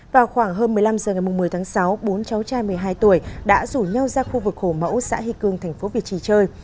vào khoảng hơn một mươi năm h ngày một mươi tháng sáu bốn cháu trai một mươi hai tuổi đã rủ nhau ra khu vực hồ mẫu xã hy cương tp việt trì chơi